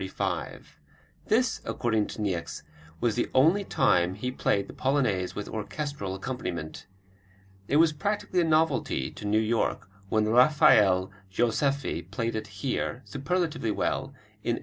This, according to Niecks, was the only time he played the Polonaise with orchestral accompaniment. It was practically a novelty to New York when Rafael Joseffy played it here, superlatively well, in 1879.